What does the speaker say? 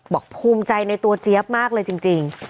ภูมิใจในตัวเจี๊ยบมากเลยจริง